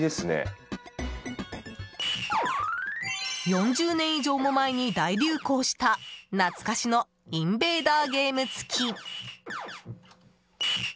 ４０年以上も前に大流行した懐かしのインベーダーゲーム付き。